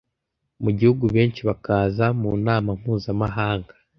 mu gihugu benshi bakaza mu nama mpuzamahanga